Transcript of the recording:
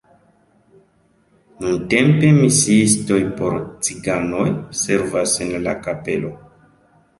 Nuntempe misiistoj por ciganoj servas en la kapelo.